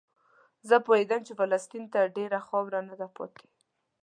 زه پوهېدم چې فلسطین ته ډېره خاوره نه ده پاتې.